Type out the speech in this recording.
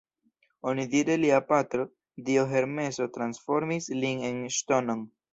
Onidire lia patro, dio Hermeso transformis lin en ŝtonon.